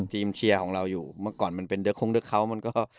เชียร์ของเราอยู่เมื่อก่อนมันเป็นเดอร์คงเดอร์เขามันก็